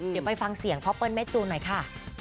เดี๋ยวไปฟังเสียงพ่อเปิ้ลแม่จูนหน่อยค่ะ